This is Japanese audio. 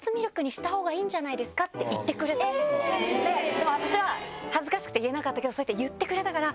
でも私は恥ずかしくて言えなかったけどそうやって言ってくれたから。